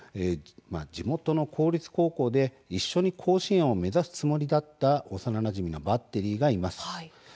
地元の公立高校で一緒に甲子園を目指すつもりだった幼なじみのバッテリーがいます。